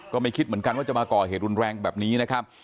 ก็ไม่คิดเหมือนกันว่าจะมาก่อเหตุรุนแรงแบบนี้นะครับ